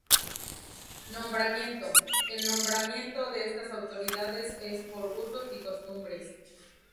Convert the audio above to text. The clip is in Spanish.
Nombramiento: El nombramiento de estas autoridades es por usos y costumbres.